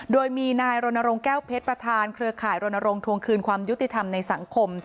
โดยมีนายรณรงค์แก้วเพชรประธานเครือข่ายรณรงค์ทวงคืนความยุติธรรมในสังคม